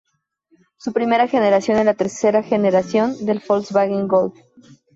Su primera generación es la tercera generación del Volkswagen Golf.